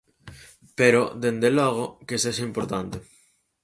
Pero, dende logo, que sexa importante.